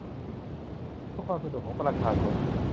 เพื่อความสะดวกของประชาชน